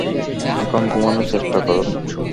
এখন ঘুমানোর চেষ্টা করুন।